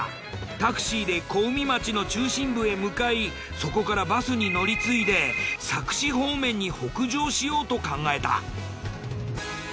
タクシーで小海町の中心部へ向かいそこからバスに乗り継いで佐久市方面に北上しようと考えた。